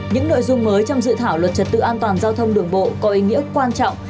những nội dung mới trong dự thảo luật trật tự an toàn giao thông đường bộ có ý nghĩa quan trọng